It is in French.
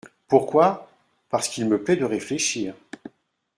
Pourquoi ? Parce qu'il me plaît de réfléchir.